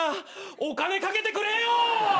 お金賭けてくれよ！